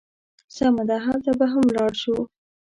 سمه ده، هلته به هم ولاړ شو.